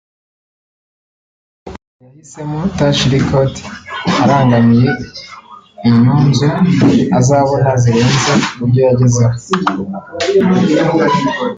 ngo yahisemo Touch Records arangamiye inyunzu azabona zirenze ku byo yagezeho